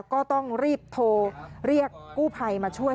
ก็ต้องรีบโทรเรียกกู้ภัยมาช่วย